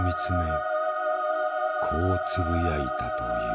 こうつぶやいたという。